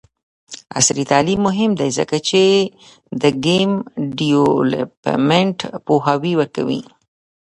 عصري تعلیم مهم دی ځکه چې د ګیم ډیولپمنټ پوهاوی ورکوي.